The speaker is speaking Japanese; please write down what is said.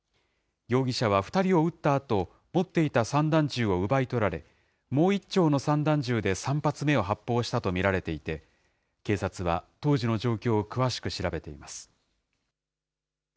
容疑者は２人を撃ったあと、持っていた散弾銃を奪い取られ、もう１丁の散弾銃で３発目を発砲したと見られていて、警察は当時の状況を詳しく調べています。